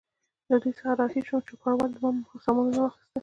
له دوی څخه را رهي شوم، چوپړوال زما سامانونه واخیستل.